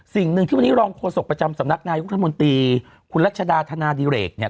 สิ่งหนึ่งที่วันนี้รองโฆษกประจำสำนักนายุทธมนตรีคุณรัชดาธนาดิเรกเนี่ย